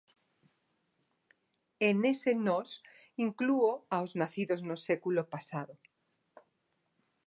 E nese "nós" inclúo aos nacidos no século pasado.